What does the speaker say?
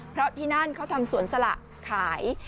เพราะที่นั่นเขาทำสวนสละขาย